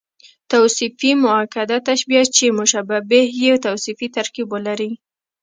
توصيفي مؤکده تشبیه، چي مشبه به ئې توصیفي ترکيب ولري.